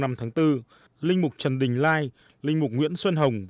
linh mục trần đình lai linh mục nguyễn xuân hồng và linh mục nguyễn xuân hồng